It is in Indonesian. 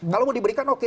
kalau mau diberikan oke